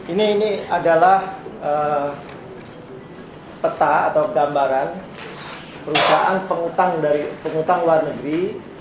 ini adalah peta atau gambaran perusahaan luar negeri